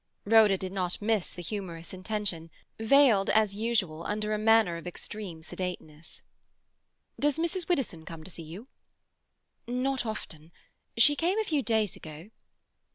Rhoda did not miss the humorous intention, veiled, as usual, under a manner of extreme sedateness. "Does Mrs. Widdowson come to see you?" "Not often. She came a few days ago."